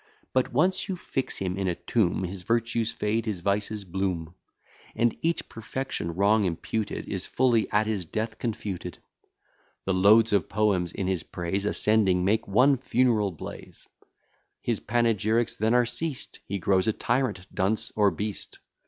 But once you fix him in a tomb, His virtues fade, his vices bloom; And each perfection, wrong imputed, Is fully at his death confuted. The loads of poems in his praise, Ascending, make one funeral blaze: His panegyrics then are ceased, He grows a tyrant, dunce, or beast.